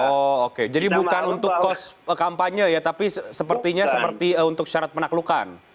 oh oke jadi bukan untuk kos kampanye ya tapi sepertinya seperti untuk syarat penaklukan